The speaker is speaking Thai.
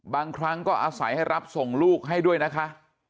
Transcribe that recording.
บางครั้งก็อาศัยให้รับส่งลูกให้ด้วยนะคะ